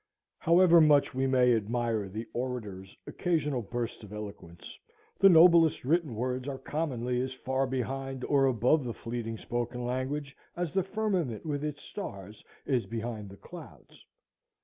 However much we may admire the orator's occasional bursts of eloquence, the noblest written words are commonly as far behind or above the fleeting spoken language as the firmament with its stars is behind the clouds.